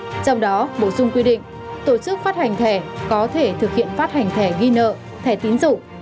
trong đó bổ sung quy định tổ chức phát hành thẻ có thể thực hiện phát hành thẻ ghi nợ thẻ tín dụng